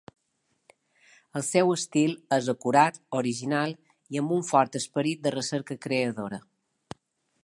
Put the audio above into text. El seu estil és acurat, original i amb un fort esperit de recerca creadora.